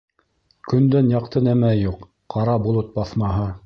Көндән яҡты нәмә юҡ, ҡара болот баҫмаһа.